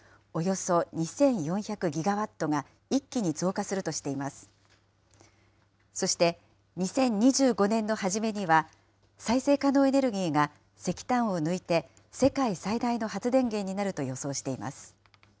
そして、２０２５年の初めには、再生可能エネルギーが石炭を抜いて世界最大の発電源になると予想しています。